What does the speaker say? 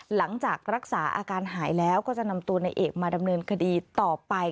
หลังจากรักษาอาการหายแล้วก็จะนำตัวในเอกมาดำเนินคดีต่อไป